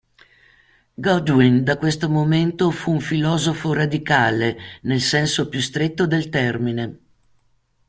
Godwin da questo momento fu un filosofo radicale, nel senso più stretto del termine.